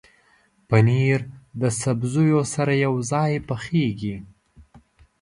پنېر د سبزیو سره یوځای پخېږي.